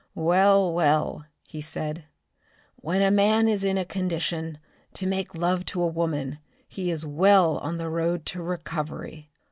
"Well, well," he said, "when a man is in condition to make love to a woman, he is well on the road to recovery.